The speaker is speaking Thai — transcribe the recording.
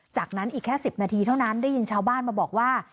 จากนั้นอีกแค่๑๐นาทีเท่านั้นได้ยินชาวบ้านมาบอกว่า